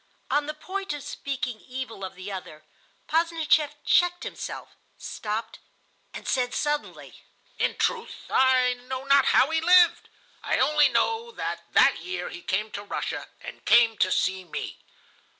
On the point of speaking evil of the other, Posdnicheff checked himself, stopped, and said suddenly: "In truth, I know not how he lived. I only know that that year he came to Russia, and came to see me.